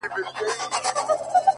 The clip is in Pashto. ته يې بد ايسې؛